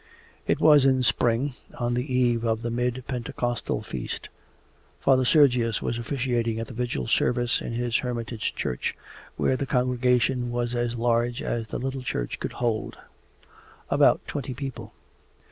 It was in spring, on the eve of the mid Pentecostal feast. Father Sergius was officiating at the Vigil Service in his hermitage church, where the congregation was as large as the little church could hold about twenty people.